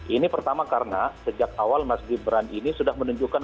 ini pertama karena sejak awal mas gibran ini sudah menunjukkan